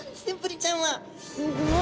すごい。